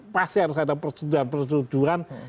pasti harus ada persetujuan persetujuan